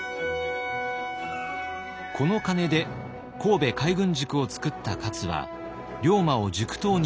この金で神戸海軍塾を作った勝は龍馬を塾頭に抜てき。